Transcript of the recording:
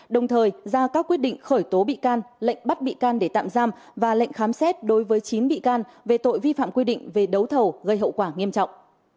đồng thời ra các quyết định khởi tố bị can lệnh bắt bị can để tạm giam và lệnh khám xét đối với chín bị can về tội vi phạm quy định về đấu thầu gây hậu quả nghiêm trọng